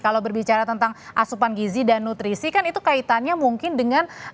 kalau berbicara tentang asupan gizi dan nutrisi kan itu kaitannya mungkin dengan